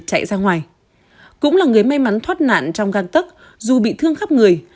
chạy ra ngoài cũng là người may mắn thoát nạn trong găng tức dù bị thương khắp người